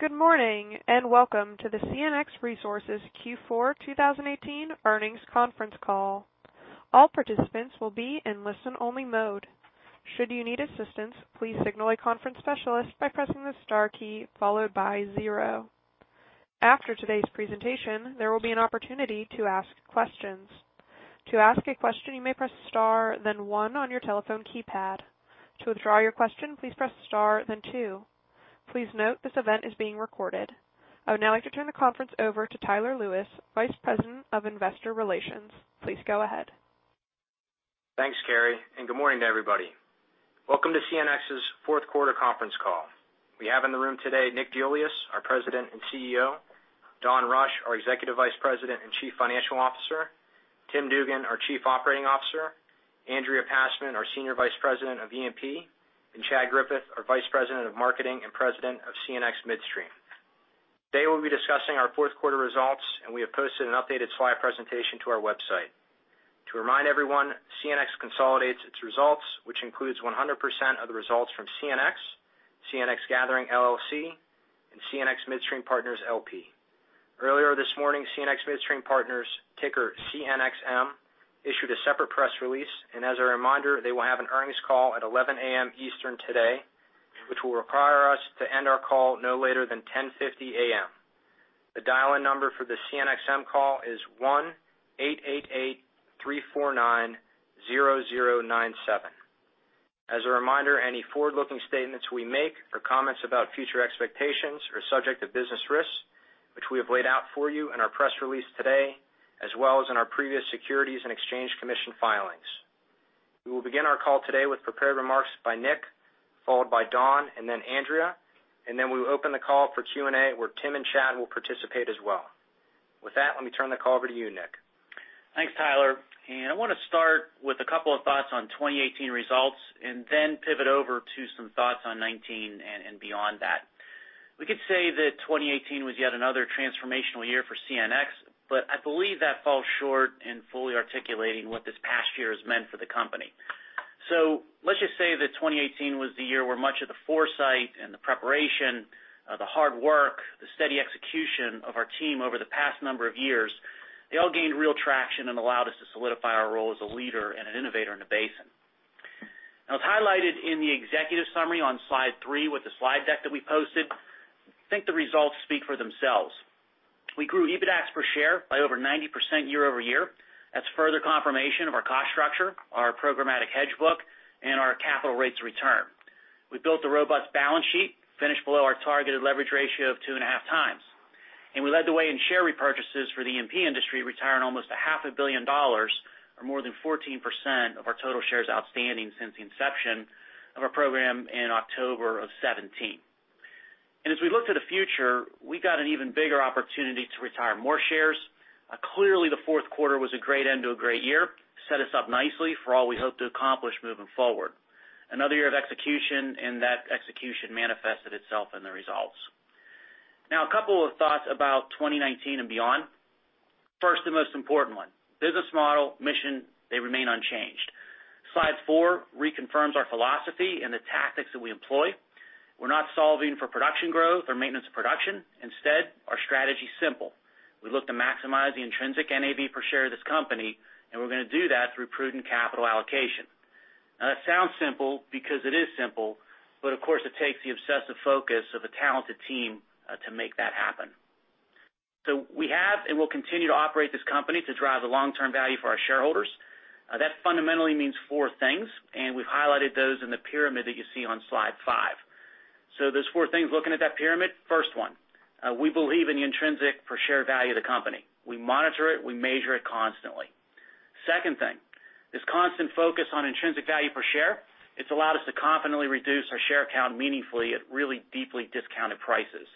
Good morning. Welcome to the CNX Resources Q4 2018 earnings conference call. All participants will be in listen-only mode. Should you need assistance, please signal a conference specialist by pressing the star key followed by 0. After today's presentation, there will be an opportunity to ask questions. To ask a question, you may press star then 1 on your telephone keypad. To withdraw your question, please press star then 2. Please note this event is being recorded. I would now like to turn the conference over to Tyler Lewis, Vice President, Investor Relations. Please go ahead. Thanks, Carrie. Good morning to everybody. Welcome to CNX's fourth quarter conference call. We have in the room today Nick DeIuliis, our President and Chief Executive Officer; Don Rush, our Executive Vice President and Chief Financial Officer; Tim Dugan, our Chief Operating Officer; Andrea Passman, our Senior Vice President of E&P; Chad Griffith, our Vice President of Marketing and President of CNX Midstream. Today, we will be discussing our fourth quarter results. We have posted an updated slide presentation to our website. To remind everyone, CNX consolidates its results, which includes 100% of the results from CNX Gathering LLC, and CNX Midstream Partners LP. Earlier this morning, CNX Midstream Partners, ticker CNXM, issued a separate press release. As a reminder, they will have an earnings call at 11:00 A.M. Eastern today, which will require us to end our call no later than 10:50 A.M. The dial-in number for the CNXM call is 1-888-349-0097. As a reminder, any forward-looking statements we make or comments about future expectations are subject to business risks, which we have laid out for you in our press release today, as well as in our previous Securities and Exchange Commission filings. We will begin our call today with prepared remarks by Nick, followed by Don, Andrea. We will open the call for Q&A, where Tim and Chad will participate as well. With that, let me turn the call over to you, Nick. Thanks, Tyler. I want to start with a couple of thoughts on 2018 results. Then pivot over to some thoughts on 2019 and beyond that. We could say that 2018 was yet another transformational year for CNX. I believe that falls short in fully articulating what this past year has meant for the company. Let's just say that 2018 was the year where much of the foresight, the preparation, the hard work, the steady execution of our team over the past number of years, they all gained real traction and allowed us to solidify our role as a leader and an innovator in the basin. As highlighted in the executive summary on slide three with the slide deck that we posted, I think the results speak for themselves. We grew EBITDAX per share by over 90% year-over-year. That's further confirmation of our cost structure, our programmatic hedge book, and our capital rates of return. We built a robust balance sheet, finished below our targeted leverage ratio of two and a half times. We led the way in share repurchases for the E&P industry, retiring almost a half a billion dollars or more than 14% of our total shares outstanding since the inception of our program in October of 2017. As we look to the future, we got an even bigger opportunity to retire more shares. Clearly, the fourth quarter was a great end to a great year. Set us up nicely for all we hope to accomplish moving forward. Another year of execution, and that execution manifested itself in the results. A couple of thoughts about 2019 and beyond. First, the most important one, business model, mission, they remain unchanged. Slide four reconfirms our philosophy and the tactics that we employ. We're not solving for production growth or maintenance of production. Instead, our strategy's simple. We look to maximize the intrinsic NAV per share of this company, and we're going to do that through prudent capital allocation. That sounds simple because it is simple, but of course, it takes the obsessive focus of a talented team to make that happen. We have and will continue to operate this company to drive the long-term value for our shareholders. That fundamentally means four things, and we've highlighted those in the pyramid that you see on slide five. There's four things looking at that pyramid. First one, we believe in the intrinsic per share value of the company. We monitor it, we measure it constantly. Second thing, this constant focus on intrinsic value per share, it's allowed us to confidently reduce our share count meaningfully at really deeply discounted prices.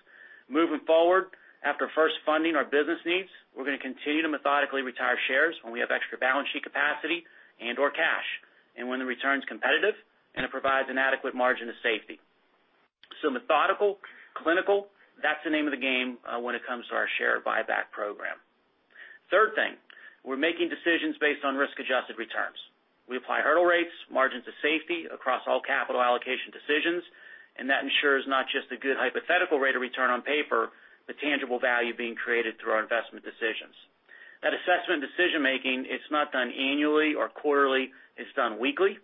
Moving forward, after first funding our business needs, we're going to continue to methodically retire shares when we have extra balance sheet capacity and/or cash, when the return's competitive, and it provides an adequate margin of safety. Methodical, clinical, that's the name of the game when it comes to our share buyback program. Third thing, we're making decisions based on risk-adjusted returns. We apply hurdle rates, margins of safety across all capital allocation decisions, and that ensures not just a good hypothetical rate of return on paper, but tangible value being created through our investment decisions. That assessment decision-making, it's not done annually or quarterly, it's done weekly.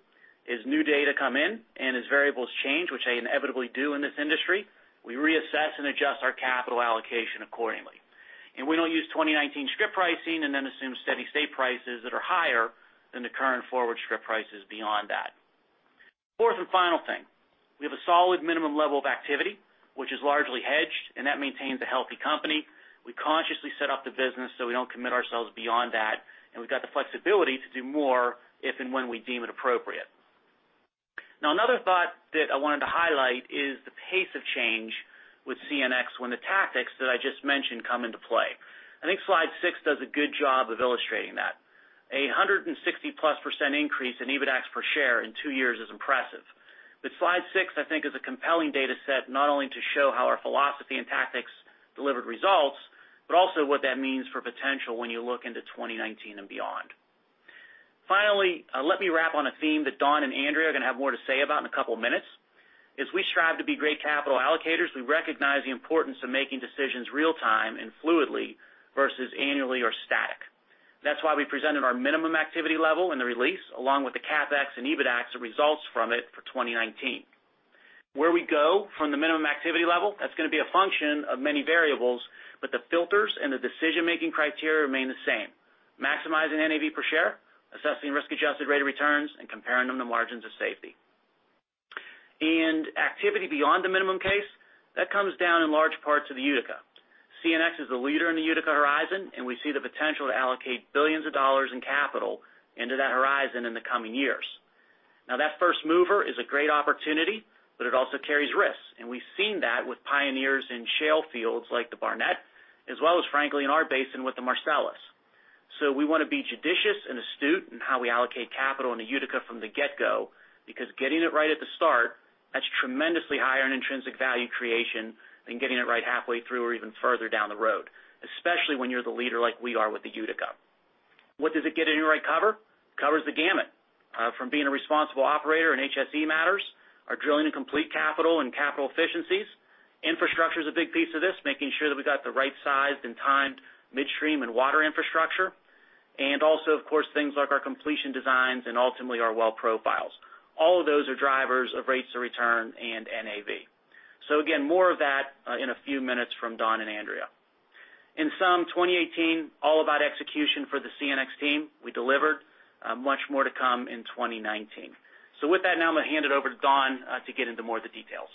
As new data come in and as variables change, which they inevitably do in this industry, we reassess and adjust our capital allocation accordingly. We don't use 2019 strip pricing and then assume steady state prices that are higher than the current forward strip prices beyond that. Fourth and final thing, we have a solid minimum level of activity, which is largely hedged, and that maintains a healthy company. We consciously set up the business so we don't commit ourselves beyond that, and we've got the flexibility to do more if and when we deem it appropriate. Another thought that I wanted to highlight is the pace of change with CNX when the tactics that I just mentioned come into play. I think slide six does a good job of illustrating that. A 160-plus % increase in EBITDAX per share in two years is impressive. Slide six, I think, is a compelling data set not only to show how our philosophy and tactics delivered results, but also what that means for potential when you look into 2019 and beyond. Finally, let me wrap on a theme that Don and Andrea are going to have more to say about in a couple of minutes. As we strive to be great capital allocators, we recognize the importance of making decisions real-time and fluidly versus annually or static. That's why we presented our minimum activity level in the release, along with the CapEx and EBITDAX results from it for 2019. Where we go from the minimum activity level, that's going to be a function of many variables, but the filters and the decision-making criteria remain the same: maximizing NAV per share, assessing risk-adjusted rate of returns, and comparing them to margins of safety. Activity beyond the minimum case, that comes down in large parts of the Utica. CNX is a leader in the Utica horizon, and we see the potential to allocate $ billions in capital into that horizon in the coming years. Now, that first mover is a great opportunity, but it also carries risks, and we've seen that with pioneers in shale fields like the Barnett, as well as frankly in our basin with the Marcellus. We want to be judicious and astute in how we allocate capital in the Utica from the get-go, because getting it right at the start, that's tremendously higher in intrinsic value creation than getting it right halfway through or even further down the road. Especially when you're the leader like we are with the Utica. What does it get in the right cover? Covers the gamut. From being a responsible operator in HSE matters, our drilling and complete capital and capital efficiencies. Infrastructure is a big piece of this, making sure that we've got the right sized and timed midstream and water infrastructure. Also, of course, things like our completion designs and ultimately our well profiles. All of those are drivers of rates of return and NAV. Again, more of that in a few minutes from Don and Andrea. In sum, 2018, all about execution for the CNX team. We delivered. Much more to come in 2019. With that, now I'm going to hand it over to Don to get into more of the details.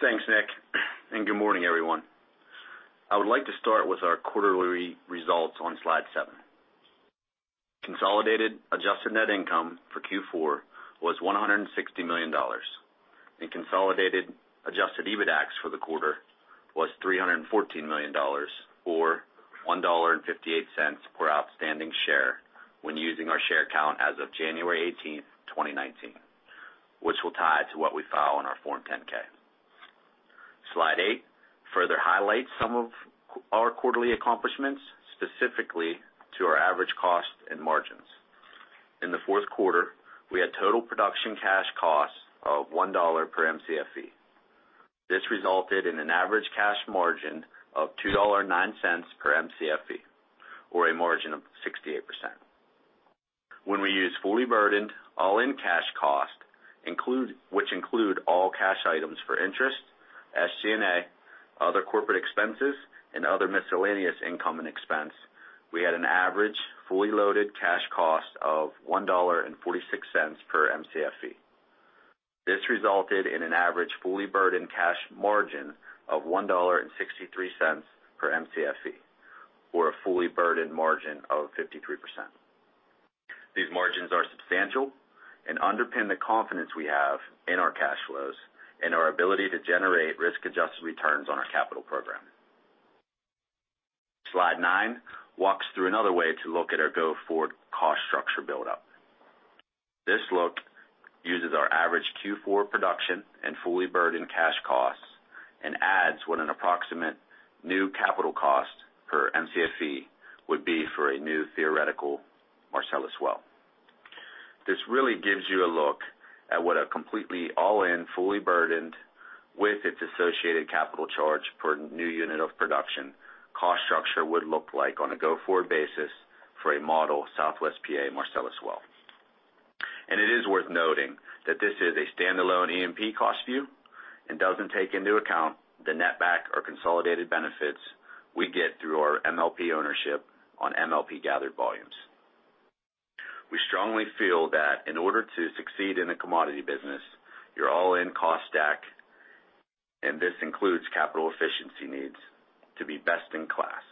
Thanks, Nick. Good morning, everyone. I would like to start with our quarterly results on slide seven. Consolidated adjusted net income for Q4 was $160 million. Consolidated adjusted EBITDAX for the quarter was $314 million, or $1.58 per outstanding share when using our share count as of January 18, 2019, which will tie to what we file in our Form 10-K. Slide eight further highlights some of our quarterly accomplishments, specifically to our average cost and margins. In the fourth quarter, we had total production cash costs of $1 per Mcfe. This resulted in an average cash margin of $2.09 per Mcfe, or a margin of 68%. When we use fully burdened all-in cash cost, which include all cash items for interest, SG&A, other corporate expenses, and other miscellaneous income and expense, we had an average fully loaded cash cost of $1.46 per Mcfe. This resulted in an average fully burdened cash margin of $1.63 per Mcfe, or a fully burdened margin of 53%. These margins are substantial and underpin the confidence we have in our cash flows and our ability to generate risk-adjusted returns on our capital program. Slide 9 walks through another way to look at our go-forward cost structure buildup. This look uses our average Q4 production and fully burdened cash costs and adds what an approximate new capital cost per Mcfe would be for a new theoretical Marcellus well. This really gives you a look at what a completely all-in, fully burdened with its associated capital charge per new unit of production cost structure would look like on a go-forward basis for a model Southwest PA Marcellus well. It is worth noting that this is a standalone E&P cost view and doesn't take into account the netback or consolidated benefits we get through our MLP ownership on MLP gathered volumes. We strongly feel that in order to succeed in a commodity business, your all-in cost stack, and this includes capital efficiency needs, to be best in class.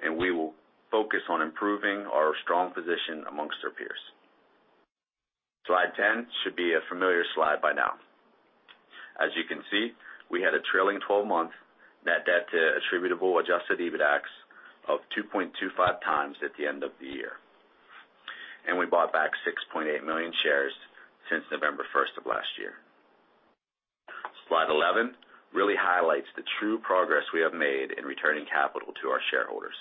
We will focus on improving our strong position amongst our peers. Slide 10 should be a familiar slide by now. As you can see, we had a trailing 12-month net debt to attributable adjusted EBITDAX of 2.25 times at the end of the year. We bought back 6.8 million shares since November 1st of last year. Slide 11 really highlights the true progress we have made in returning capital to our shareholders.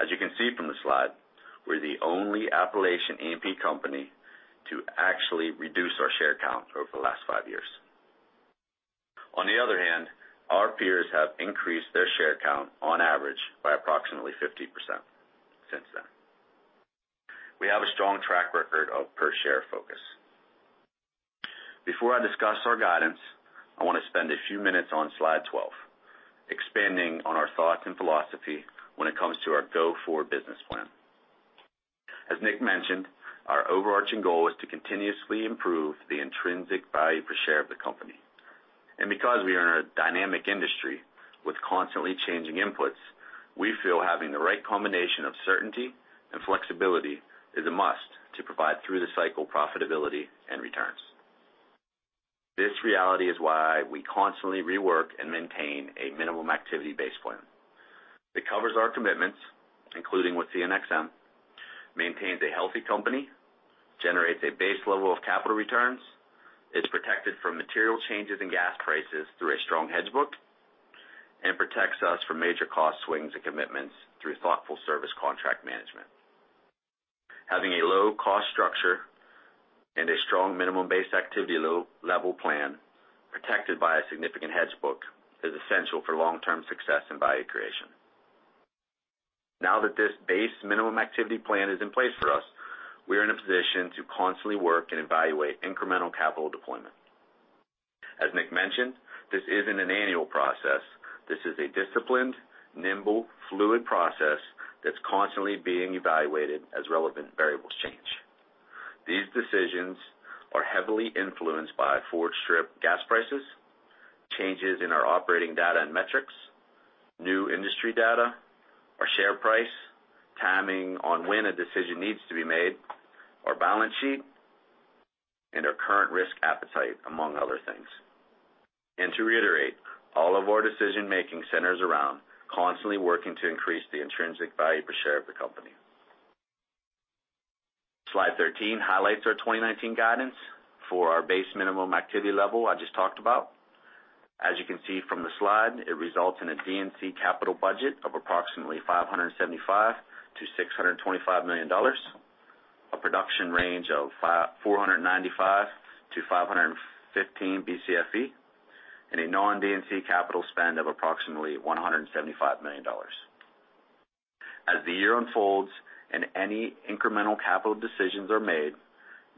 As you can see from the slide, we're the only Appalachian E&P company to actually reduce our share count over the last five years. On the other hand, our peers have increased their share count on average by approximately 50% since then. We have a strong track record of per-share focus. Before I discuss our guidance, I want to spend a few minutes on slide 12, expanding on our thoughts and philosophy when it comes to our go-forward business plan. As Nick mentioned, our overarching goal is to continuously improve the intrinsic value per share of the company. Because we are in a dynamic industry with constantly changing inputs, we feel having the right combination of certainty and flexibility is a must to provide through the cycle profitability and returns. This reality is why we constantly rework and maintain a minimum activity base plan. It covers our commitments, including with CNXM, maintains a healthy company, generates a base level of capital returns, is protected from material changes in gas prices through a strong hedge book and protects us from major cost swings and commitments through thoughtful service contract management. Having a low cost structure and a strong minimum base activity low-level plan protected by a significant hedge book is essential for long-term success in value creation. Now that this base minimum activity plan is in place for us, we are in a position to constantly work and evaluate incremental capital deployment. As Nick mentioned, this isn't an annual process. This is a disciplined, nimble, fluid process that's constantly being evaluated as relevant variables change. These decisions are heavily influenced by forward strip gas prices, changes in our operating data and metrics, new industry data, our share price, timing on when a decision needs to be made, our balance sheet, and our current risk appetite, among other things. To reiterate, all of our decision-making centers around constantly working to increase the intrinsic value per share of the company. Slide 13 highlights our 2019 guidance for our base minimum activity level I just talked about. As you can see from the slide, it results in a D&C capital budget of approximately $575 million-$625 million. A production range of 495 Bcfe-515 Bcfe, and a non-D&C capital spend of approximately $175 million. As the year unfolds and any incremental capital decisions are made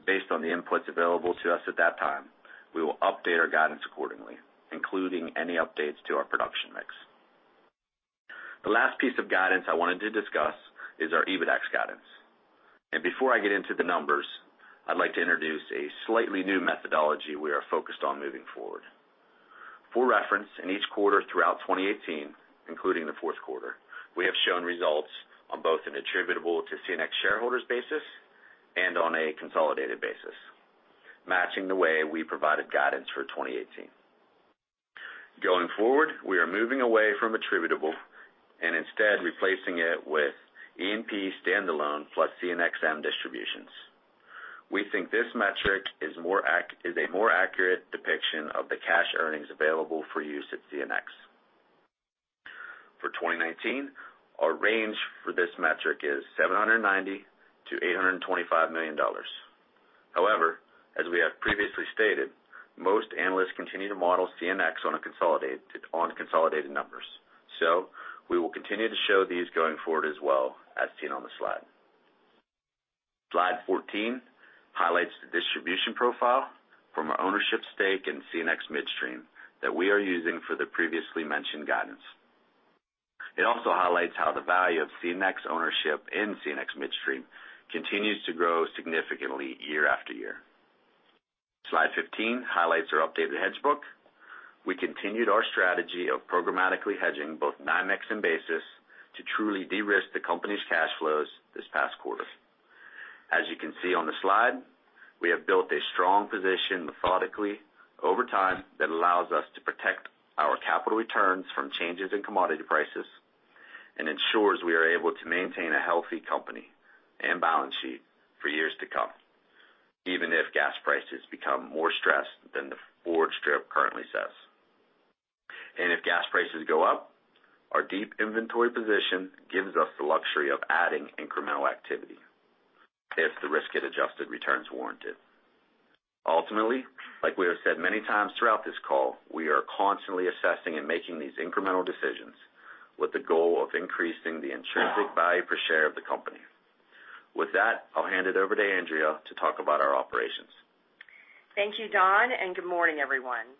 based on the inputs available to us at that time, we will update our guidance accordingly, including any updates to our production mix. The last piece of guidance I wanted to discuss is our EBITDAX guidance. Before I get into the numbers, I'd like to introduce a slightly new methodology we are focused on moving forward. For reference, in each quarter throughout 2018, including the fourth quarter, we have shown results on both an attributable to CNX shareholders basis and on a consolidated basis, matching the way we provided guidance for 2018. Going forward, we are moving away from attributable and instead replacing it with E&P standalone plus CNXM distributions. We think this metric is a more accurate depiction of the cash earnings available for use at CNX. For 2019, our range for this metric is $790 million-$825 million. However, as we have previously stated, most analysts continue to model CNX on consolidated numbers. We will continue to show these going forward as well, as seen on the slide. Slide 14 highlights the distribution profile from our ownership stake in CNX Midstream that we are using for the previously mentioned guidance. It also highlights how the value of CNX ownership in CNX Midstream continues to grow significantly year after year. Slide 15 highlights our updated hedge book. We continued our strategy of programmatically hedging both NYMEX and basis to truly de-risk the company's cash flows this past quarter. As you can see on the slide, we have built a strong position methodically over time that allows us to protect our capital returns from changes in commodity prices and ensures we are able to maintain a healthy company and balance sheet for years to come, even if gas prices become more stressed than the forward strip currently says. If gas prices go up, our deep inventory position gives us the luxury of adding incremental activity if the risk and adjusted returns warrant it. Ultimately, like we have said many times throughout this call, we are constantly assessing and making these incremental decisions with the goal of increasing the intrinsic value per share of the company. With that, I'll hand it over to Andrea to talk about our operations. Thank you, Don, and good morning, everyone.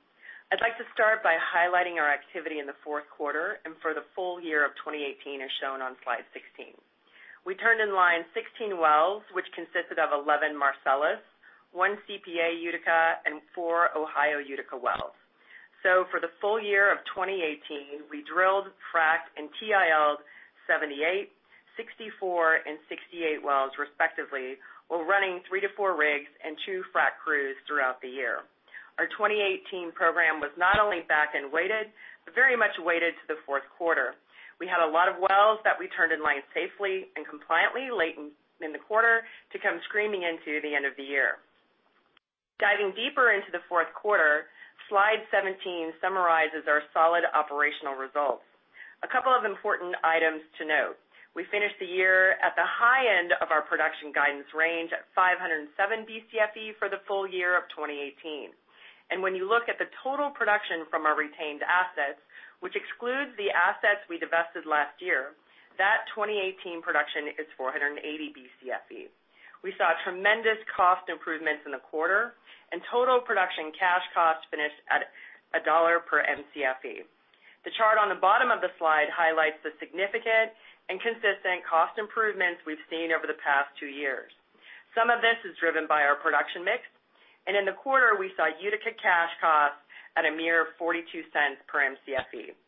I'd like to start by highlighting our activity in the fourth quarter and for the full year of 2018 as shown on slide 16. We turned in line 16 wells, which consisted of 11 Marcellus, one CPA Utica, and four Ohio Utica wells. For the full year of 2018, we drilled, fracked, and TILed 78, 64, and 68 wells respectively, while running three to four rigs and two frack crews throughout the year. Our 2018 program was not only back-end weighted, but very much weighted to the fourth quarter. We had a lot of wells that we turned in line safely and compliantly late in the quarter to come screaming into the end of the year. Diving deeper into the fourth quarter, slide 17 summarizes our solid operational results. A couple of important items to note. We finished the year at the high end of our production guidance range at 507 Bcfe for the full year of 2018. When you look at the total production from our retained assets, which excludes the assets we divested last year, that 2018 production is 480 Bcfe. We saw tremendous cost improvements in the quarter and total production cash cost finished at $1 per Mcfe. The chart on the bottom of the slide highlights the significant and consistent cost improvements we've seen over the past two years. Some of this is driven by our production mix, and in the quarter, we saw Utica cash costs at a mere $0.42 per Mcfe.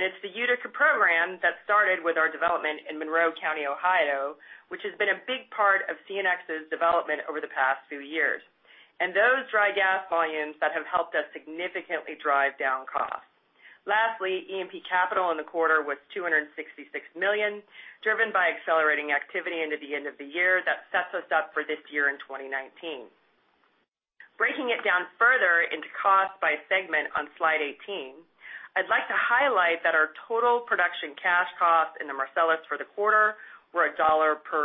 It's the Utica program that started with our development in Monroe County, Ohio, which has been a big part of CNX's development over the past few years. Those dry gas volumes that have helped us significantly drive down costs. Lastly, E&P capital in the quarter was $266 million, driven by accelerating activity into the end of the year that sets us up for this year in 2019. Breaking it down further into cost by segment on slide 18, I'd like to highlight that our total production cash cost in the Marcellus for the quarter were $1.20 per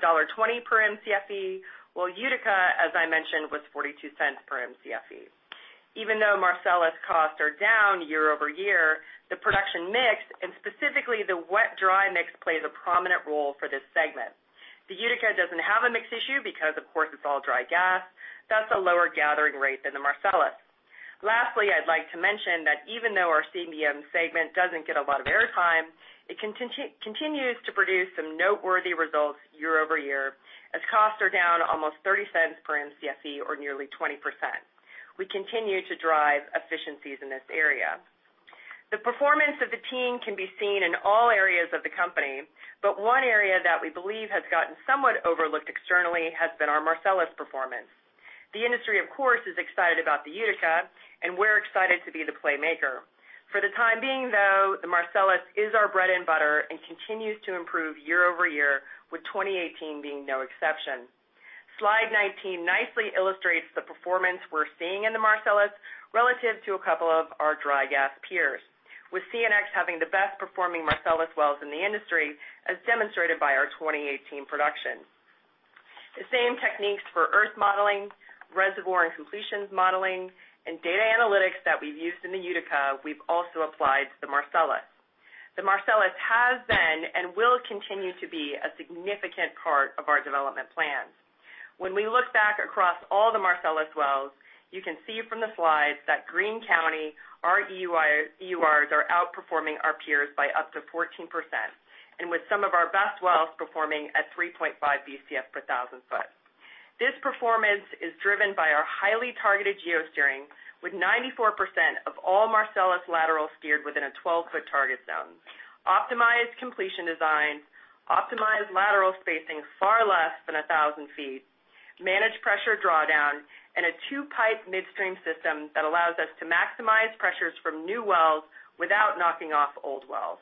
Mcfe, while Utica, as I mentioned, was $0.42 per Mcfe. Even though Marcellus costs are down year-over-year, the production mix and specifically the wet-dry mix, plays a prominent role for this segment. The Utica doesn't have a mix issue because of course it's all dry gas, thus a lower gathering rate than the Marcellus. Lastly, I'd like to mention that even though our CBM segment doesn't get a lot of air time, it continues to produce some noteworthy results year-over-year, as costs are down almost $0.30 per Mcfe or nearly 20%. We continue to drive efficiencies in this area. The performance of the team can be seen in all areas of the company, but one area that we believe has gotten somewhat overlooked externally has been our Marcellus performance. The industry, of course, is excited about the Utica, and we're excited to be the playmaker. For the time being, though, the Marcellus is our bread and butter and continues to improve year-over-year, with 2018 being no exception. Slide 19 nicely illustrates the performance we're seeing in the Marcellus relative to a couple of our dry gas peers. With CNX having the best-performing Marcellus wells in the industry, as demonstrated by our 2018 production. The same techniques for earth modeling, reservoir and completions modeling, and data analytics that we've used in the Utica, we've also applied to the Marcellus. The Marcellus has been and will continue to be a significant part of our development plans. When we look back across all the Marcellus wells, you can see from the slides that Greene County, our EURs, are outperforming our peers by up to 14%, and with some of our best wells performing at 3.5 Bcf per 1,000 foot. This performance is driven by our highly targeted geosteering, with 94% of all Marcellus laterals steered within a 12-foot target zone. Optimized completion design, optimized lateral spacing far less than 1,000 feet, managed pressure drawdown, and a two-pipe midstream system that allows us to maximize pressures from new wells without knocking off old wells.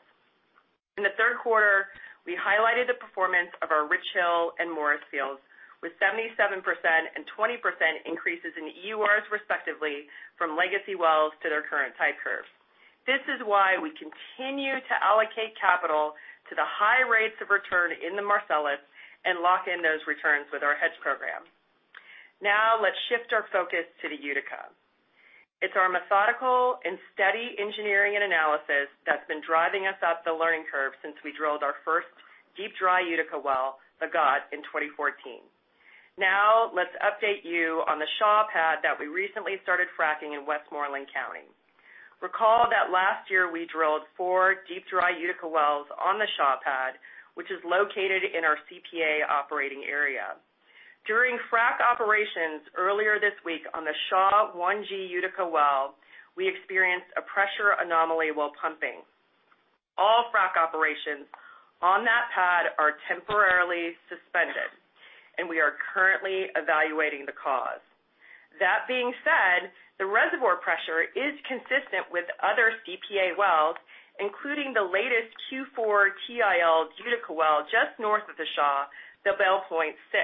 In the third quarter, we highlighted the performance of our Richhill and Morris fields with 77% and 20% increases in EURs, respectively, from legacy wells to their current type curves. This is why we continue to allocate capital to the high rates of return in the Marcellus and lock in those returns with our hedge program. Now, let's shift our focus to the Utica. It's our methodical and steady engineering and analysis that's been driving us up the learning curve since we drilled our first deep dry Utica well, the Gaut, in 2014. Now, let's update you on the Shaw pad that we recently started fracking in Westmoreland County. Recall that last year we drilled four deep dry Utica wells on the Shaw pad, which is located in our CPA operating area. During frack operations earlier this week on the Shaw 1G Utica well, we experienced a pressure anomaly while pumping. All frack operations on that pad are temporarily suspended, and we are currently evaluating the cause. That being said, the reservoir pressure is consistent with other CPA wells, including the latest Q4 TIL Utica well just north of the Shaw, the Bell Point-6.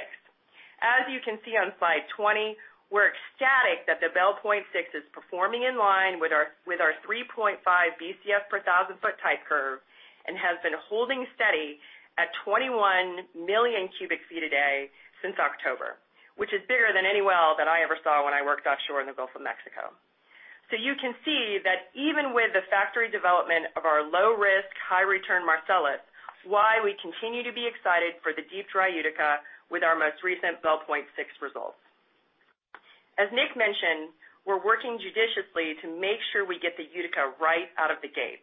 As you can see on slide 20, we're ecstatic that the Bell Point-6 is performing in line with our 3.5 Bcf per 1,000-foot type curve and has been holding steady at 21 million cubic feet a day since October, which is bigger than any well that I ever saw when I worked offshore in the Gulf of Mexico. You can see that even with the factory development of our low-risk, high-return Marcellus, why we continue to be excited for the deep dry Utica with our most recent Bell Point-6 results. As Nick mentioned, we're working judiciously to make sure we get the Utica right out of the gate.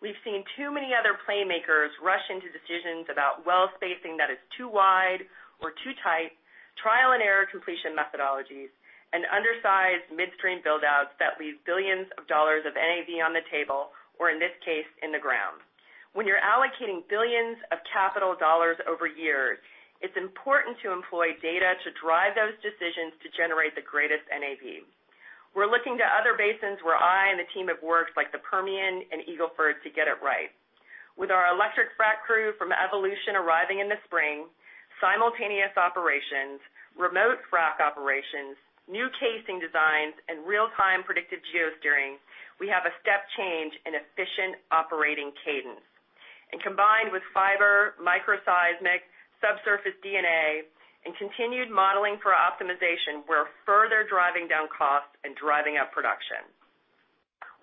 We've seen too many other playmakers rush into decisions about well spacing that is too wide or too tight, trial-and-error completion methodologies, and undersized midstream build-outs that leave $billions of NAV on the table, or in this case, in the ground. When you're allocating $billions of capital over years, it's important to employ data to drive those decisions to generate the greatest NAV. We're looking to other basins where I and the team have worked, like the Permian and Eagle Ford, to get it right. With our electric frack crew from Evolution arriving in the spring, simultaneous operations, remote frack operations, new casing designs, and real-time predicted geosteering, we have a step change in efficient operating cadence. Combined with fiber, microseismic, subsurface DNA, and continued modeling for optimization, we're further driving down costs and driving up production.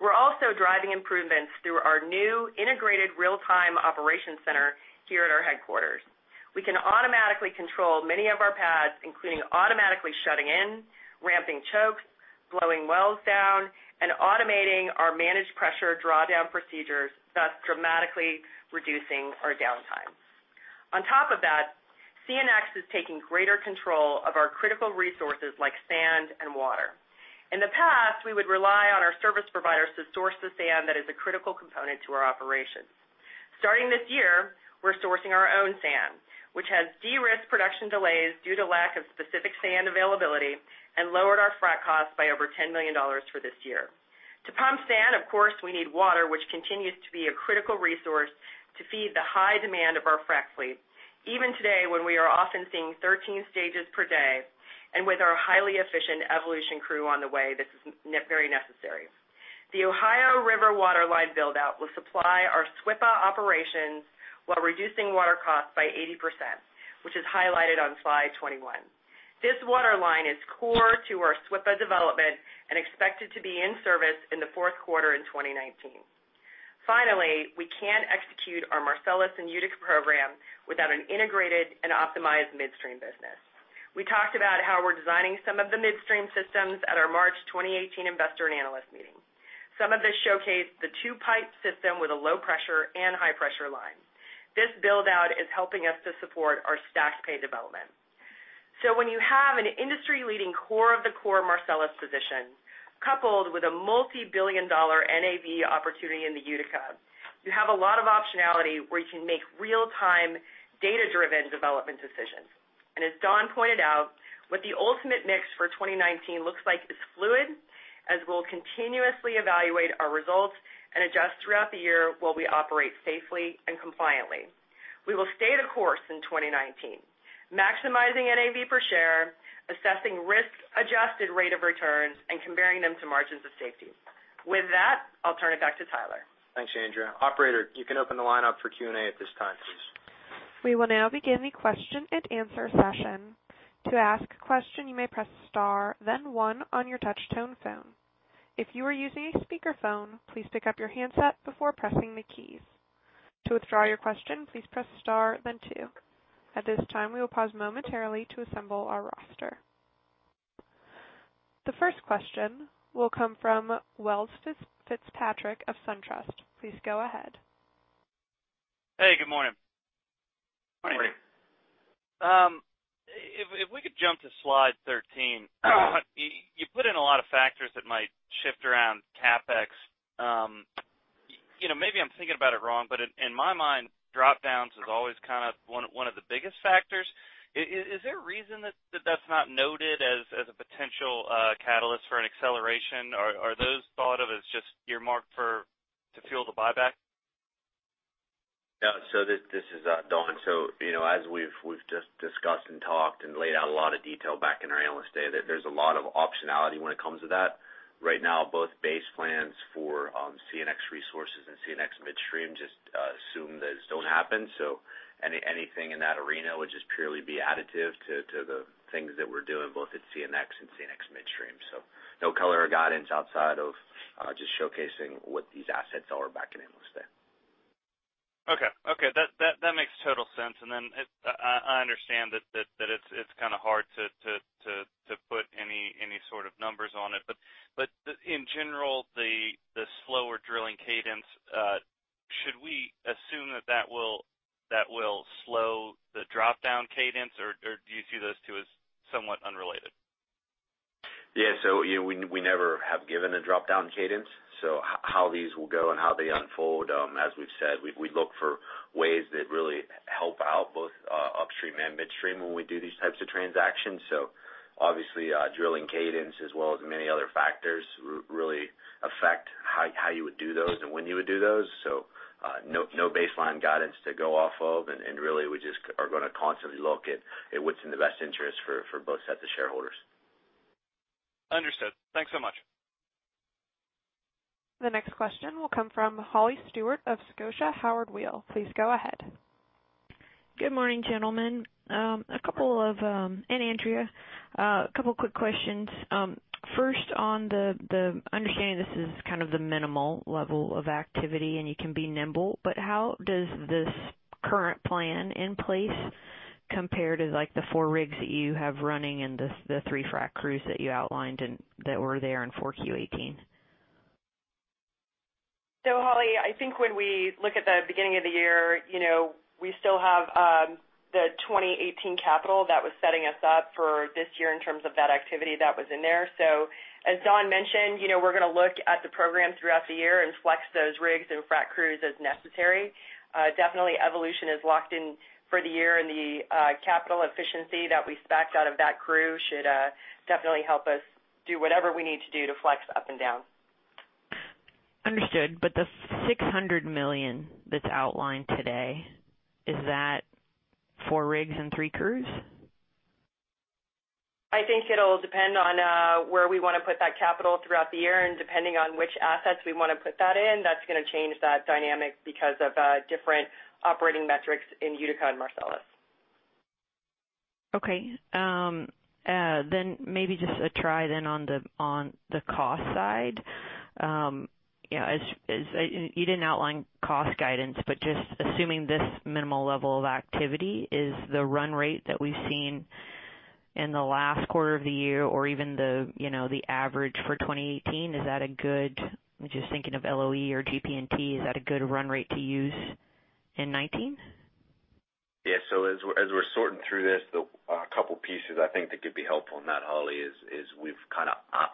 We're also driving improvements through our new integrated real-time operations center here at our headquarters. We can automatically control many of our pads, including automatically shutting in, ramping chokes, blowing wells down, and automating our managed pressure drawdown procedures, thus dramatically reducing our downtime. On top of that, CNX is taking greater control of our critical resources like sand and water. In the past, we would rely on our service providers to source the sand that is a critical component to our operations. Starting this year, we're sourcing our own sand, which has de-risked production delays due to lack of specific sand availability and lowered our frack costs by over $10 million for this year. To pump sand, of course, we need water, which continues to be a critical resource to feed the high demand of our frac fleet. Even today, when we are often seeing 13 stages per day, and with our highly efficient Evolution crew on the way, this is very necessary. The Ohio River waterline build-out will supply our SWPA operations while reducing water costs by 80%, which is highlighted on slide 21. This waterline is core to our SWPA development and expected to be in service in the fourth quarter in 2019. Finally, we can't execute our Marcellus and Utica program without an integrated and optimized midstream business. We talked about how we're designing some of the midstream systems at our March 2018 investor and analyst meeting. Some of this showcased the two-pipe system with a low pressure and high pressure line. This build-out is helping us to support our stacked pay development. When you have an industry-leading core of the core Marcellus position, coupled with a multi-billion-dollar NAV opportunity in the Utica, you have a lot of optionality where you can make real-time, data-driven development decisions. As Don pointed out, what the ultimate mix for 2019 looks like is fluid, as we'll continuously evaluate our results and adjust throughout the year while we operate safely and compliantly. We will stay the course in 2019, maximizing NAV per share, assessing risk-adjusted rate of returns, and comparing them to margins of safety. With that, I'll turn it back to Tyler. Thanks, Andrea. Operator, you can open the line up for Q&A at this time, please. We will now begin the question and answer session. To ask a question, you may press star then one on your touch-tone phone. If you are using a speakerphone, please pick up your handset before pressing the keys. To withdraw your question, please press star then two. At this time, we will pause momentarily to assemble our roster. The first question will come from Welles Fitzpatrick of SunTrust. Please go ahead. Hey, good morning. Morning. Morning. If we could jump to slide 13. You put in a lot of factors that might shift around CapEx. Maybe I'm thinking about it wrong, but in my mind, drop-downs is always one of the biggest factors. Is there a reason that that's not noted as a potential catalyst for an acceleration, or are those thought of as just earmarked to fuel the buyback? Yeah. This is Don. As we've just discussed and talked and laid out a lot of detail back in our Analyst Day, there's a lot of optionality when it comes to that. Right now, both base plans for CNX Resources and CNX Midstream just assume those don't happen. Anything in that arena would just purely be additive to the things that we're doing both at CNX and CNX Midstream. No color or guidance outside of just showcasing what these assets are back in Analyst Day. That makes total sense. I understand that it's hard to put any sort of numbers on it. In general, the slower drilling cadence, should we assume that will slow the drop-down cadence, or do you see those two as somewhat unrelated? Yeah. We never have given a drop-down cadence. How these will go and how they unfold, as we've said, we look for ways that really help out both upstream and midstream when we do these types of transactions. Obviously, drilling cadence as well as many other factors really affect how you would do those and when you would do those. No baseline guidance to go off of, and really, we just are gonna constantly look at what's in the best interest for both sets of shareholders. Understood. Thanks so much. The next question will come from Holly Stewart of Scotia Howard Weil. Please go ahead. Good morning, gentlemen, and Andrea. A couple of quick questions. First on the understanding this is the minimal level of activity, and you can be nimble, but how does this current plan in place compare to the four rigs that you have running and the three frack crews that you outlined that were there in 4Q18? Holly, I think when we look at the beginning of the year, we still have the 2018 capital that was setting us up for this year in terms of that activity that was in there. As Don mentioned, we're gonna look at the program throughout the year and flex those rigs and frack crews as necessary. Definitely Evolution is locked in for the year, and the capital efficiency that we expect out of that crew should definitely help us do whatever we need to do to flex up and down. Understood. The $600 million that's outlined today, is that four rigs and three crews? I think it'll depend on where we want to put that capital throughout the year, and depending on which assets we want to put that in, that's gonna change that dynamic because of different operating metrics in Utica and Marcellus. Maybe just a try on the cost side. You didn't outline cost guidance, just assuming this minimal level of activity is the run rate that we've seen in the last quarter of the year or even the average for 2018. Just thinking of LOE or GP&T, is that a good run rate to use in 2019? Yeah. As we're sorting through this, a couple pieces I think that could be helpful in that, Holly, is we've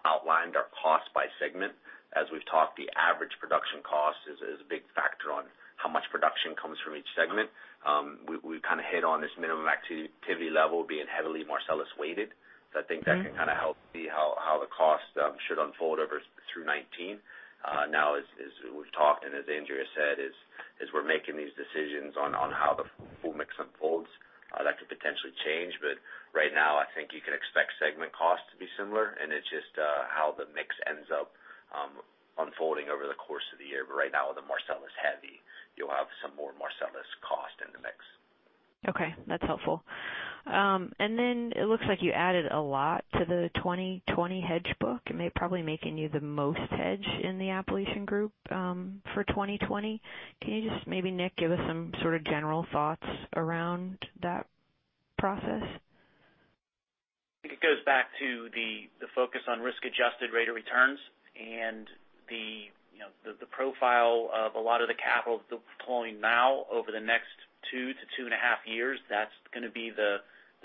outlined our cost by segment. As we've talked, the average production cost is a big factor on production comes from each segment. We kind of hit on this minimum activity level being heavily Marcellus weighted. I think that can kind of help see how the cost should unfold through 2019. Now, as we've talked, and as Andrea said, as we're making these decisions on how the full mix unfolds, that could potentially change. Right now, I think you can expect segment costs to be similar, and it's just how the mix ends up unfolding over the course of the year. Right now, with the Marcellus heavy, you'll have some more Marcellus cost in the mix. Okay. That's helpful. It looks like you added a lot to the 2020 hedge book, probably making you the most hedged in the Appalachian group for 2020. Can you just maybe, Nick, give us some sort of general thoughts around that process? I think it goes back to the focus on risk-adjusted rate of returns and the profile of a lot of the capital deploying now over the next two to two and a half years. That's going to be the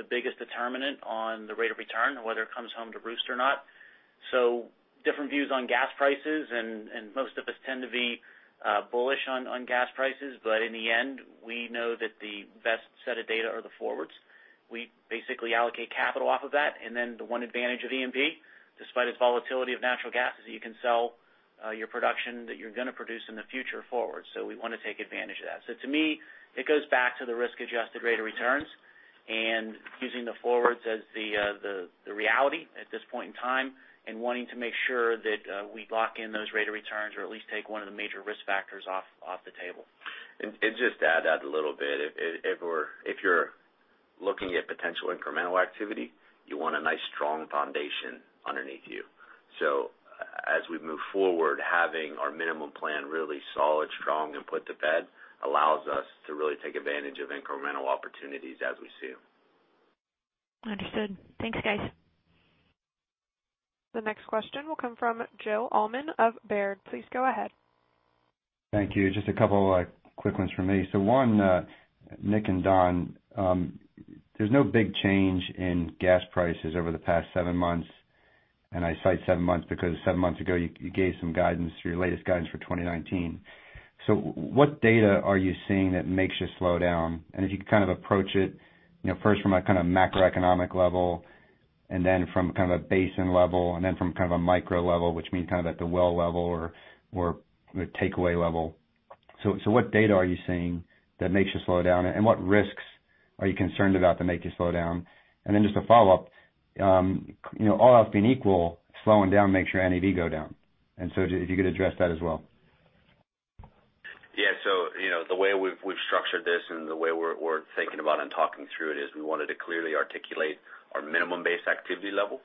biggest determinant on the rate of return, whether it comes home to roost or not. Different views on gas prices, and most of us tend to be bullish on gas prices. In the end, we know that the best set of data are the forwards. We basically allocate capital off of that, the one advantage of E&P, despite its volatility of natural gas, is that you can sell your production that you're going to produce in the future forward. We want to take advantage of that. To me, it goes back to the risk-adjusted rate of returns and using the forwards as the reality at this point in time and wanting to make sure that we lock in those rate of returns or at least take one of the major risk factors off the table. Just to add to that a little bit. If you're looking at potential incremental activity, you want a nice, strong foundation underneath you. As we move forward, having our minimum plan really solid, strong, and put to bed allows us to really take advantage of incremental opportunities as we see them. Understood. Thanks, guys. The next question will come from Joe Omlin of Baird. Please go ahead. Thank you. Just a couple of quick ones from me. One, Nick and Don, there's no big change in gas prices over the past seven months, and I cite seven months because seven months ago you gave some guidance for your latest guidance for 2019. What data are you seeing that makes you slow down? If you could kind of approach it, first from a kind of macroeconomic level and then from kind of a basin level, and then from kind of a micro level, which means kind of at the well level or the takeaway level. What data are you seeing that makes you slow down, and what risks are you concerned about that make you slow down? Just a follow-up. All else being equal, slowing down makes your NAV go down. If you could address that as well. Yeah. The way we've structured this and the way we're thinking about and talking through it is we wanted to clearly articulate our minimum base activity level.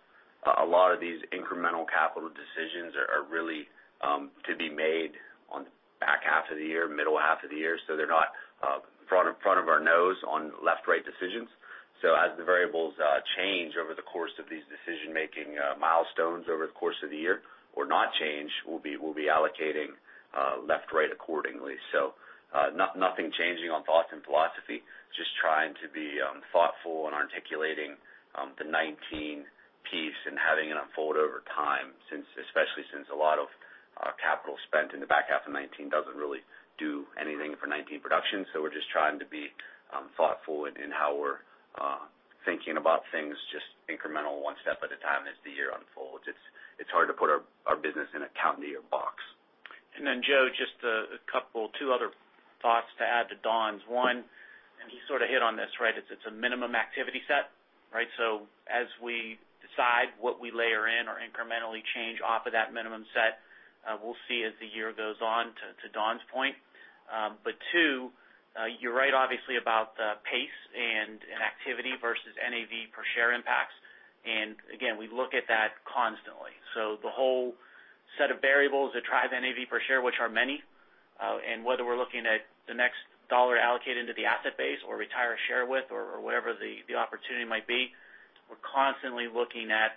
A lot of these incremental capital decisions are really to be made on the back half of the year, middle half of the year. They're not front of our nose on left-right decisions. As the variables change over the course of these decision-making milestones over the course of the year, or not change, we'll be allocating left-right accordingly. Nothing changing on thoughts and philosophy, just trying to be thoughtful in articulating the 2019 piece and having it unfold over time, especially since a lot of capital spent in the back half of 2019 doesn't really do anything for 2019 production. We're just trying to be thoughtful in how we're thinking about things, just incremental one step at a time as the year unfolds. It's hard to put our business in a calendar year box. Joe, just a couple, two other thoughts to add to Don's. One, he sort of hit on this, right? It's a minimum activity set, right? As we decide what we layer in or incrementally change off of that minimum set, we'll see as the year goes on, to Don's point. Two, you're right, obviously, about the pace and activity versus NAV per share impacts. Again, we look at that constantly. The whole set of variables that drive NAV per share, which are many, and whether we're looking at the next dollar allocated into the asset base or retire a share with or whatever the opportunity might be, we're constantly looking at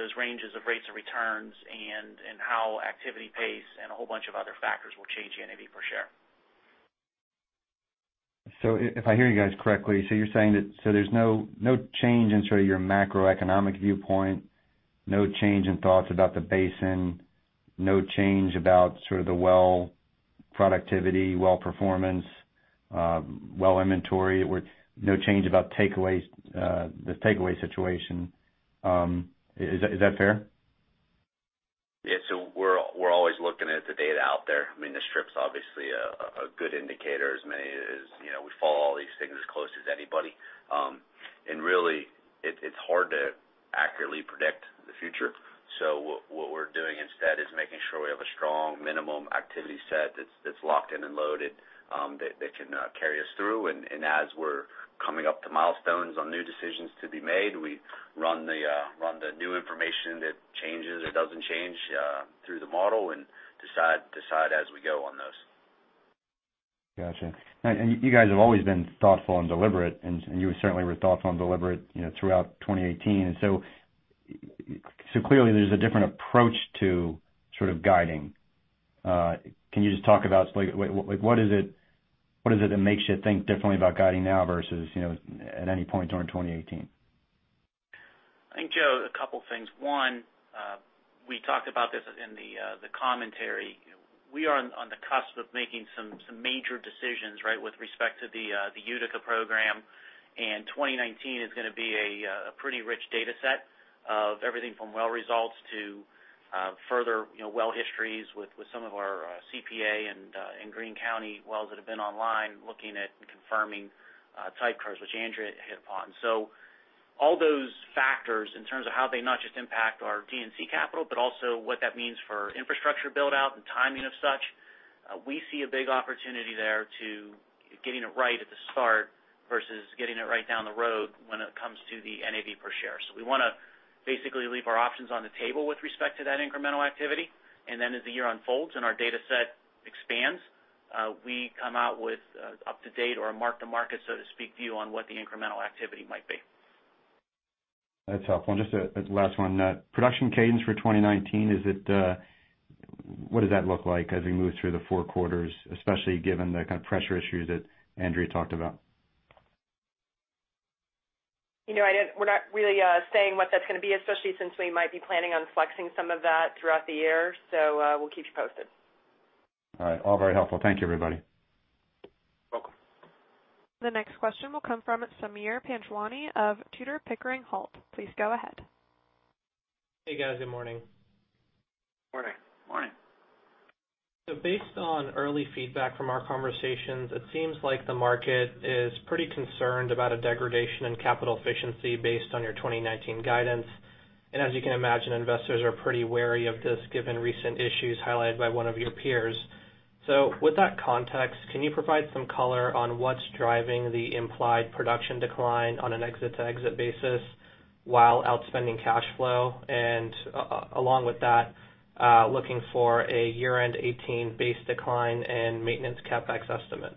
those ranges of rates of returns and how activity pace and a whole bunch of other factors will change NAV per share. If I hear you guys correctly, you're saying that there's no change in sort of your macroeconomic viewpoint, no change in thoughts about the basin, no change about sort of the well productivity, well performance, well inventory. No change about the takeaway situation. Is that fair? We're always looking at the data out there. The strip's obviously a good indicator, We follow all these things as close as anybody. Really, it's hard to accurately predict the future. What we're doing instead is making sure we have a strong minimum activity set that's locked in and loaded that can carry us through. As we're coming up to milestones on new decisions to be made, we run the new information that changes or doesn't change through the model and decide as we go on those. Got you. You guys have always been thoughtful and deliberate, you certainly were thoughtful and deliberate throughout 2018. Clearly there's a different approach to sort of guiding. Can you just talk about what is it that makes you think differently about guiding now versus at any point during 2018? I think, Joe, a couple of things. One, we talked about this in the commentary. We are on the cusp of making some major decisions with respect to the Utica program. 2019 is going to be a pretty rich data set of everything from well results to further well histories with some of our SWPA and in Greene County wells that have been online looking at and confirming type curves, which Andrea hit upon. All those factors in terms of how they not just impact our D&C capital, but also what that means for infrastructure build-out and timing of such. We see a big opportunity there to getting it right at the start versus getting it right down the road when it comes to the NAV per share. We want to basically leave our options on the table with respect to that incremental activity, and then as the year unfolds and our data set expands, we come out with up-to-date or a mark-to-market, so to speak, to you on what the incremental activity might be. That's helpful. Just a last one. Production cadence for 2019, what does that look like as we move through the four quarters, especially given the kind of pressure issues that Andrea talked about? We're not really saying what that's going to be, especially since we might be planning on flexing some of that throughout the year. We'll keep you posted. All right. All very helpful. Thank you, everybody. Welcome. The next question will come from Sameer Panjwani of Tudor, Pickering Holt. Please go ahead. Hey, guys. Good morning. Morning. Morning. Based on early feedback from our conversations, it seems like the market is pretty concerned about a degradation in capital efficiency based on your 2019 guidance. As you can imagine, investors are pretty wary of this, given recent issues highlighted by one of your peers. With that context, can you provide some color on what's driving the implied production decline on an exit-to-exit basis while outspending cash flow? Along with that, looking for a year-end 2018 base decline and maintenance CapEx estimate.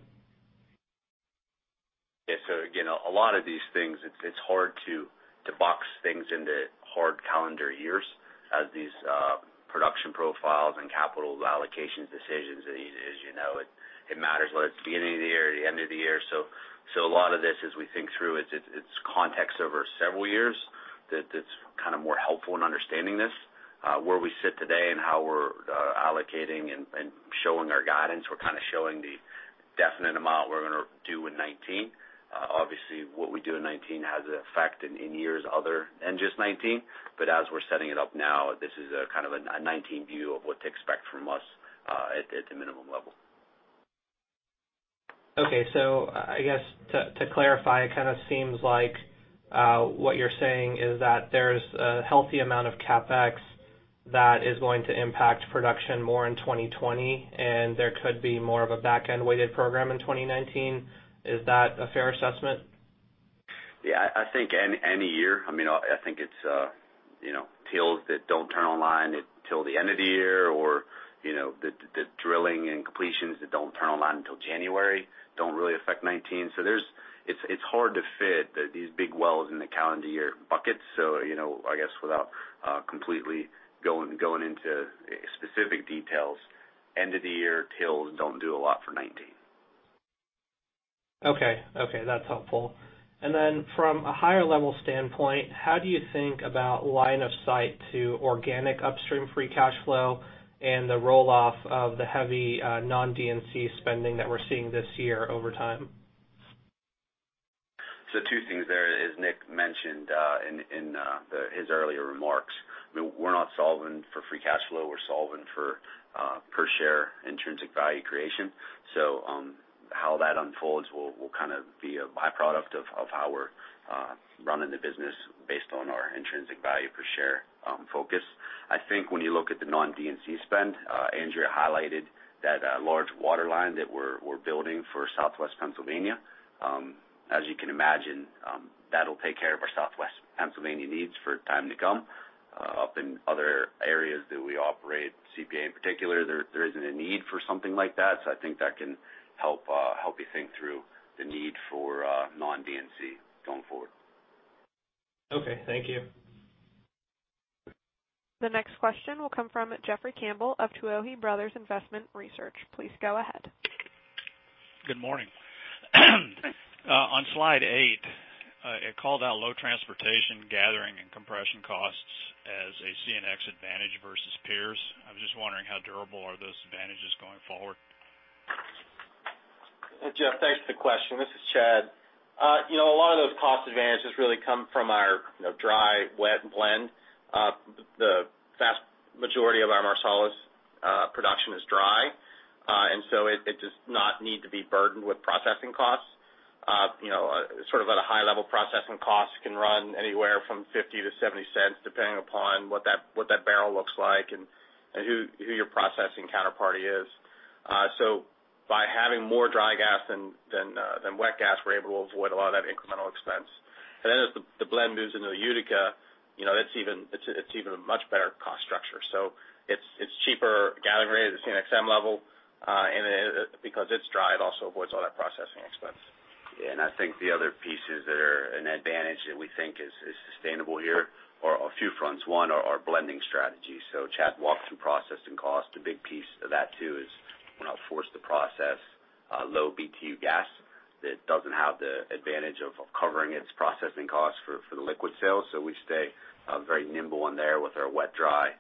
Yeah. Again, a lot of these things, it's hard to box things into hard calendar years as these production profiles and capital allocation decisions. As you know, it matters whether it's the beginning of the year or the end of the year. A lot of this, as we think through, it's context over several years that's more helpful in understanding this. Where we sit today and how we're allocating and showing our guidance, we're showing the definite amount we're going to do in 2019. Obviously, what we do in 2019 has an effect in years other than just 2019. As we're setting it up now, this is a 2019 view of what to expect from us at the minimum level. I guess to clarify, it kind of seems like what you're saying is that there's a healthy amount of CapEx that is going to impact production more in 2020, and there could be more of a back-end-weighted program in 2019. Is that a fair assessment? Yeah, I think any year. I think it's fields that don't turn online until the end of the year or the drilling and completions that don't turn online until January don't really affect 2019. It's hard to fit these big wells in the calendar year buckets. I guess without completely going into specific details, end-of-the-year fields don't do a lot for 2019. That's helpful. From a higher-level standpoint, how do you think about line of sight to organic upstream free cash flow and the roll-off of the heavy non-D&C spending that we're seeing this year over time? Two things there. As Nick mentioned in his earlier remarks, we're not solving for free cash flow, we're solving for per-share intrinsic value creation. How that unfolds will be a byproduct of how we're running the business based on our intrinsic value per share focus. I think when you look at the non-D&C spend, Andrea highlighted that large waterline that we're building for Southwest Pennsylvania. As you can imagine, that'll take care of our Southwest Pennsylvania needs for time to come. Up in other areas that we operate, CPA in particular, there isn't a need for something like that. I think that can help you think through the need for non-D&C going forward. Okay. Thank you. The next question will come from Jeffrey Campbell of Tuohy Brothers Investment Research. Please go ahead. Good morning. On slide eight, it called out low transportation gathering and compression costs as a CNX advantage versus peers. I was just wondering how durable are those advantages going forward? Jeff, thanks for the question. This is Chad. A lot of those cost advantages really come from our dry wet blend. It does not need to be burdened with processing costs. At a high level, processing costs can run anywhere from $0.50-$0.70, depending upon what that barrel looks like and who your processing counterparty is. By having more dry gas than wet gas, we're able to avoid a lot of that incremental expense. As the blend moves into the Utica, it's even a much better cost structure. It's cheaper gathering at a CNXM level, and because it's dry, it also avoids all that processing expense. Yeah, I think the other pieces that are an advantage that we think is sustainable here are a few fronts. One, our blending strategy. Chad walked through processing cost. A big piece of that too is when I'll force the process low BTU gas that doesn't have the advantage of covering its processing costs for the liquid sales. We stay very nimble in there with our wet-dry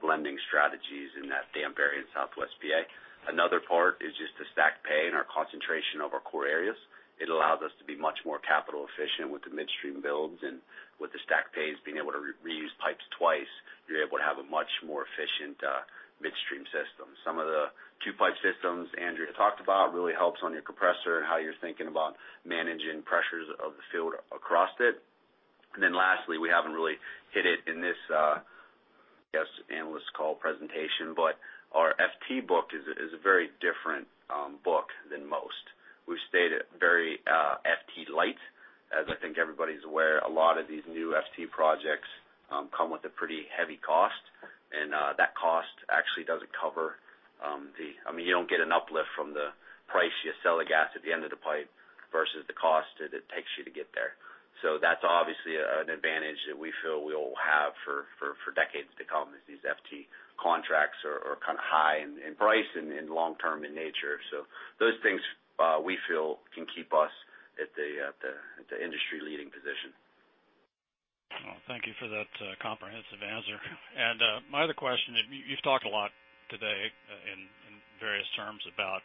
blending strategies in that Danbury and SWPA. Another part is just the stack pay and our concentration of our core areas. It allows us to be much more capital efficient with the midstream builds and with the stack pays, being able to reuse pipes twice, you're able to have a much more efficient midstream system. Some of the two-pipe systems Andrea talked about really helps on your compressor and how you're thinking about managing pressures of the field across it. Lastly, we haven't really hit it in this guest analyst call presentation, but our FT book is a very different book than most. We've stayed it very FT-light. I think everybody's aware, a lot of these new FT projects come with a pretty heavy cost. You don't get an uplift from the price you sell the gas at the end of the pipe versus the cost that it takes you to get there. That's obviously an advantage that we feel we'll have for decades to come as these FT contracts are high in price and long-term in nature. Those things, we feel, can keep us at the industry-leading position. Well, thank you for that comprehensive answer. My other question is, you've talked a lot today in various terms about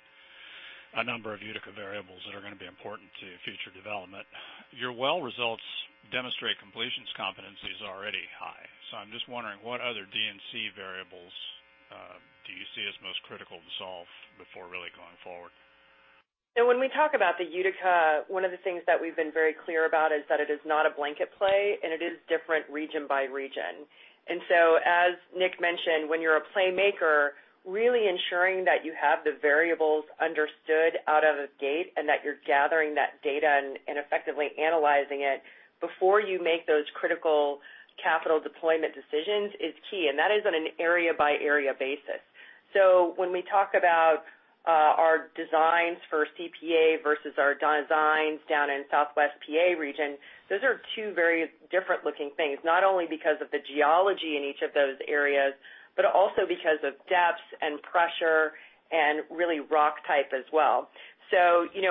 a number of Utica variables that are going to be important to future development. Your well results demonstrate completions competencies are already high. I'm just wondering what other D&C variables do you see as most critical to solve before really going forward? When we talk about the Utica, one of the things that we've been very clear about is that it is not a blanket play. It is different region by region. As Nick mentioned, when you're a playmaker, really ensuring that you have the variables understood out of the gate, that you're gathering that data and effectively analyzing it before you make those critical capital deployment decisions is key. That is on an area-by-area basis. When we talk about our designs for Central PA versus our designs down in SWPA region, those are two very different looking things, not only because of the geology in each of those areas, but also because of depths and pressure and really rock type as well.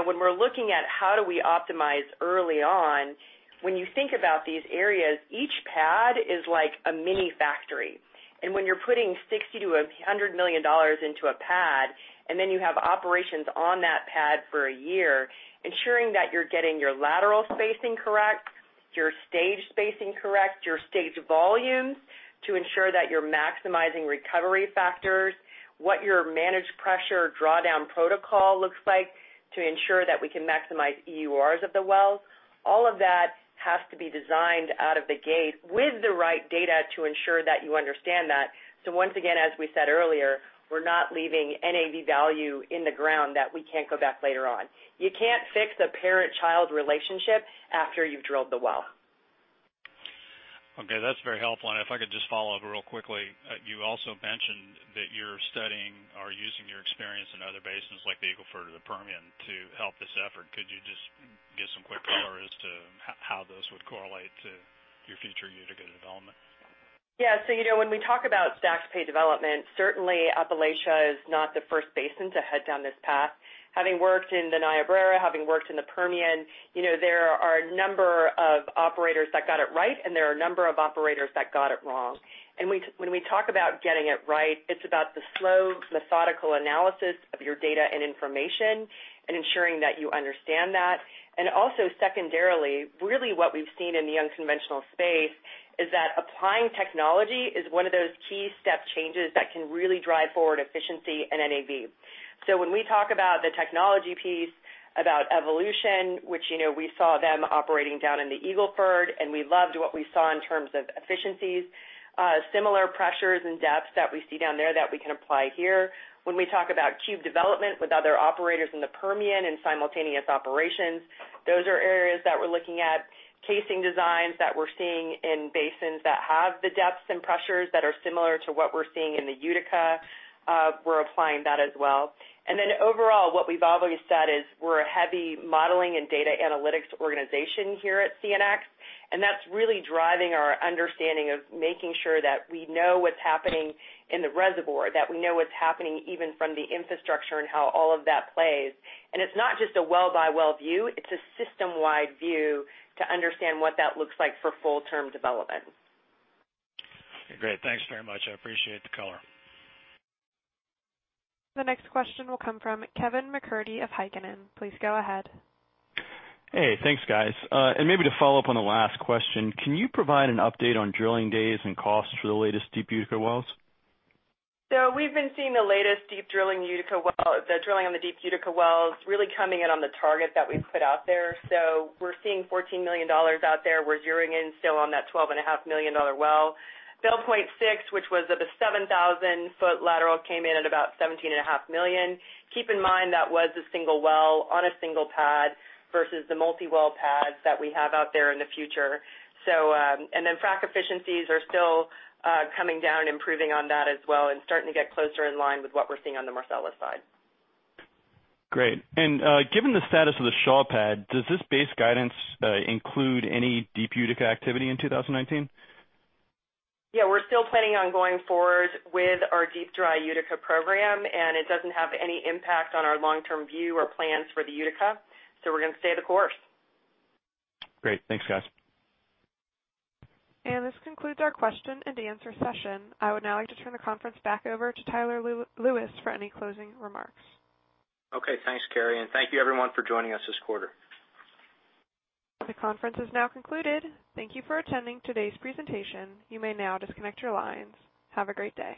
When we're looking at how do we optimize early on, when you think about these areas, each pad is like a mini factory. When you're putting $60 million to $100 million into a pad, and then you have operations on that pad for a year, ensuring that you're getting your lateral spacing correct, your stage spacing correct, your stage volumes to ensure that you're maximizing recovery factors, what your managed pressure drawdown protocol looks like to ensure that we can maximize EURs of the wells. All of that has to be designed out of the gate with the right data to ensure that you understand that. Once again, as we said earlier, we're not leaving NAV value in the ground that we can't go back later on. You can't fix a parent-child relationship after you've drilled the well. Okay, that's very helpful. If I could just follow up real quickly. You also mentioned that you're studying or using your experience in other basins like the Eagle Ford or the Permian to help this effort. Could you just give some quick color as to how those would correlate to your future Utica development? Yeah. When we talk about stacked pay development, certainly Appalachia is not the first basin to head down this path. Having worked in the Niobrara, having worked in the Permian, there are a number of operators that got it right, and there are a number of operators that got it wrong. When we talk about getting it right, it's about the slow, methodical analysis of your data and information and ensuring that you understand that. Also secondarily, really what we've seen in the unconventional space is that applying technology is one of those key step changes that can really drive forward efficiency and NAV. When we talk about the technology piece, about Evolution, which we saw them operating down in the Eagle Ford, and we loved what we saw in terms of efficiencies, similar pressures and depths that we see down there that we can apply here. When we talk about cube development with other operators in the Permian and simultaneous operations, those are areas that we're looking at. Casing designs that we're seeing in basins that have the depths and pressures that are similar to what we're seeing in the Utica, we're applying that as well. Then overall, what we've always said is we're a heavy modeling and data analytics organization here at CNX, that's really driving our understanding of making sure that we know what's happening in the reservoir, that we know what's happening even from the infrastructure and how all of that plays. It's not just a well-by-well view, it's a system-wide view to understand what that looks like for full-term development. Great. Thanks very much. I appreciate the color. The next question will come from Kevin MacCurdy of Heikkinen. Please go ahead. Hey, thanks, guys. Maybe to follow up on the last question, can you provide an update on drilling days and costs for the latest deep Utica wells? We've been seeing the latest deep drilling on the deep Utica wells really coming in on the target that we put out there. We're seeing $14 million out there. We're nearing in still on that $12.5 million well. Bell Point 6, which was at the 7,000-foot lateral, came in at about $17.5 million. Keep in mind, that was a single well on a single pad versus the multi-well pads that we have out there in the future. Frack efficiencies are still coming down, improving on that as well, and starting to get closer in line with what we're seeing on the Marcellus side. Great. Given the status of the Shaw pad, does this base guidance include any deep Utica activity in 2019? We're still planning on going forward with our deep dry Utica program, it doesn't have any impact on our long-term view or plans for the Utica. We're gonna stay the course. Great. Thanks, guys. This concludes our question and answer session. I would now like to turn the conference back over to Tyler Lewis for any closing remarks. Okay. Thanks, Carrie. Thank you everyone for joining us this quarter. The conference has now concluded. Thank you for attending today's presentation. You may now disconnect your lines. Have a great day.